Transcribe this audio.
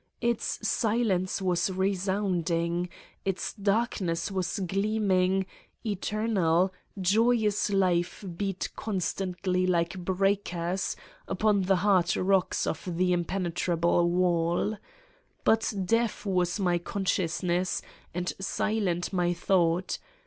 Its silence was resounding, its darkness was gleaming, eternal, joyous life beat constantly like breakers, upon the hard rocks of the impenetrable wall. But deaf was my con sciousness and silent my thought.